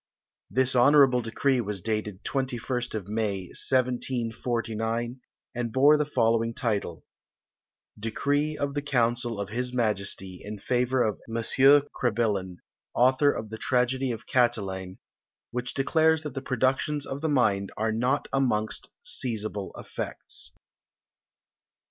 This honourable decree was dated 21st of May, 1749, and bore the following title: "Decree of the Council of his Majesty, in favour of M. Crebillon, author of the tragedy of Catiline, which declares that the productions of the mind are not amongst seizable effects."